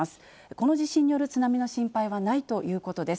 この地震による津波の心配はないということです。